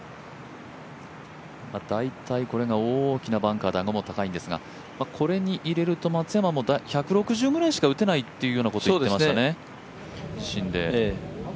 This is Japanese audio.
大体、これが大きなバンカーでアゴも深いんですがこれに入れると松山も１６０ぐらいしか打てないと言っていましたね。